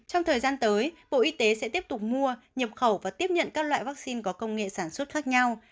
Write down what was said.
trong thời gian tới bộ y tế sẽ tiếp tục mua nhập khẩu và tiếp nhận các loại vaccine có công nghệ sản xuất khác nhau